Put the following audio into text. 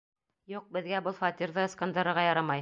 Юҡ, беҙгә был фатирҙы ысҡындырырға ярамай.